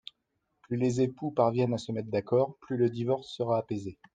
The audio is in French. Plus les époux parviennent à se mettre d’accord, plus le divorce sera apaisé.